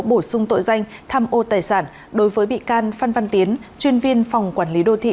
bổ sung tội danh tham ô tài sản đối với bị can phan văn tiến chuyên viên phòng quản lý đô thị